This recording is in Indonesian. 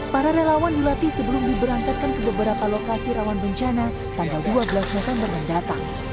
para relawan dilatih sebelum diberantakan ke beberapa lokasi rawan bencana tanggal dua belas maret yang datang